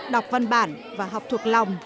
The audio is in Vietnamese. đọc văn bản và học thuộc lòng